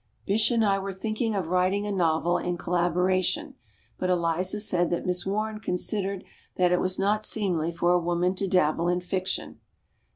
Bysshe and I were thinking of writing a novel in collaboration. But Eliza said that Miss Warne considered that it was not seemly for a woman to dabble in fiction.